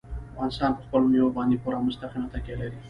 افغانستان په خپلو مېوو باندې پوره او مستقیمه تکیه لري.